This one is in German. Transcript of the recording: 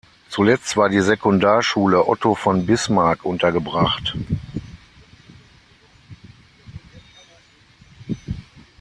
Zuletzt war die Sekundarschule „Otto von Bismarck“ untergebracht.